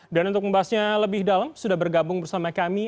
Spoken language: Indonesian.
dan untuk membahasnya lebih dalam sudah bergabung bersama kami